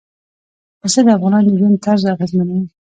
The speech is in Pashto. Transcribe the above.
پسه د افغانانو د ژوند طرز اغېزمنوي.